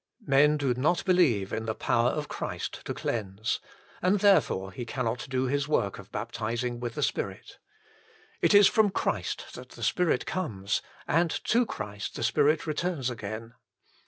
Men do not believe in the power of Christ to cleanse ; and therefore He cannot do His work of baptizing with the Spirit. It is from Christ that the Spirit comes, and to Christ the Spirit returns again.